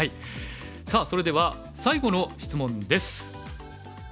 さあそれでは最後の質問です。